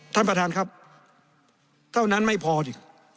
ท่านประธานครับเท่านั้นไม่พอดิ